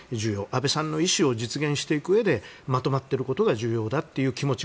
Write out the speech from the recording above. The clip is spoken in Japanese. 安倍さんの意思を実現していくうえでまとまっていくことが重要だという気持ち